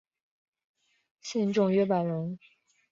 信众约百人。